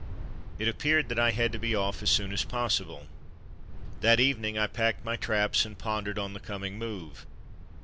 It appeared that I had to be off as soon as possible. That evening I packed my traps, and pondered on the coming move.